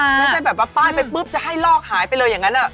ไม่ใช่แบบว่าป้ายไปปุ๊บจะให้ลอกหายไปเลยอย่างนั้น